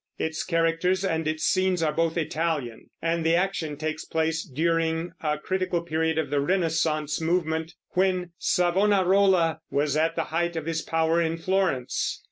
Its characters and its scenes are both Italian, and the action takes place during a critical period of the Renaissance movement, when Savonarola was at the height of his power in Florence.